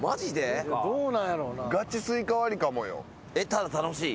ただ楽しい？